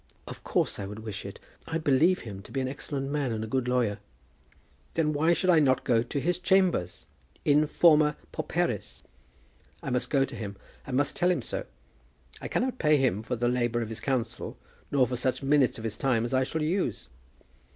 "Of course I would wish it. I believe him to be an excellent man, and a good lawyer." "Then why should I not go to his chambers? In formâ pauperis I must go to him, and must tell him so. I cannot pay him for the labour of his counsel, nor for such minutes of his time as I shall use."